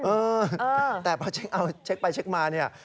เฮ้ยแต่เมื่อเช็กไปเซ็กมาเนี่ย